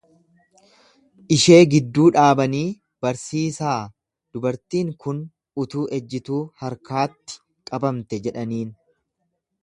Ishee gidduu dhaabanii, Barsiisaa, dubartiin kun utuu ejjituu harkaatti qabamte jedhaniin.